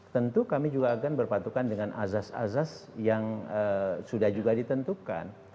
tentu kami juga akan berpatukan dengan azas azas yang sudah juga ditentukan